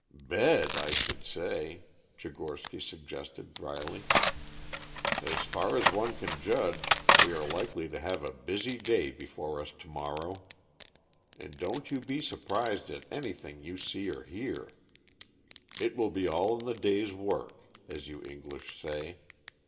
"Bed, I should say," Tchigorsky suggested dryly. "As far as one can judge we are likely to have a busy day before us to morrow. And don't you be surprised at anything you see or hear. It will be all in the day's work, as you English say.